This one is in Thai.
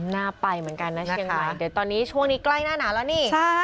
น่าไปเหมือนกันนะเชียงงายแต่ตอนนี้ช่วงนี้ใกล้หน้านาละนี่ใช่